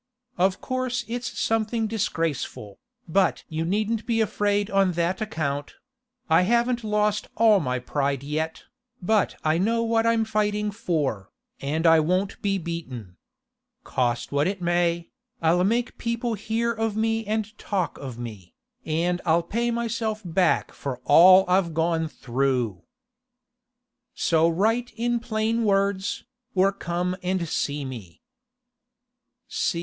Of course it's something disgraceful, but you needn't be afraid on that account; I haven't lost all my pride yet, but I know what I'm fighting for, and I won't be beaten. Cost what it may, I'll make people hear of me and talk of me, and I'll pay myself back for all I've gone through. So write in plain words, or come and see me.